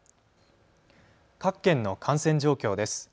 各県の感染状況です。